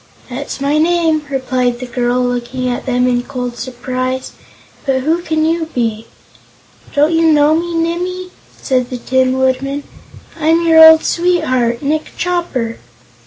"That's my name," replied the girl, looking at them in cold surprise. "But who can you be?" "Don't you know me, Nimmie?" said the Tin Woodman. "I'm your old sweetheart, Nick Chopper!"